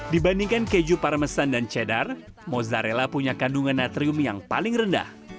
dibandingkan keju parmesan dan cheddar mozzarella punya kandungan natrium yang paling rendah